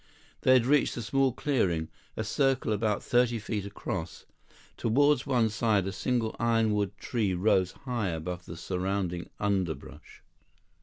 They had reached a small clearing, a circle about thirty feet across. Toward one side a single ironwood tree rose high above the surrounding underbrush.